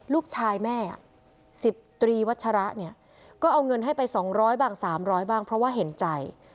ลูกชายแม่สิบตรีวัชระเนี่ยก็เอาเงินให้ไปสองร้อยบ้างสามร้อยบ้างเพราะว่าเห็นใจ